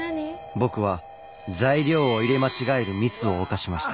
僕は材料を入れ間違えるミスを犯しました。